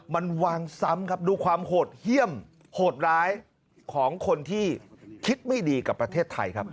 มันวางซ้ำครับดูความโหดเยี่ยมโหดร้ายของคนที่คิดไม่ดีกับประเทศไทยครับ